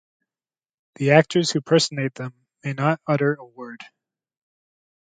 The actors who personate them may not utter a word.